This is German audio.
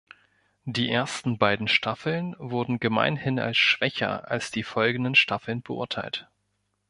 Die ersten beiden Staffeln wurden gemeinhin als schwächer als die folgenden Staffeln beurteilt.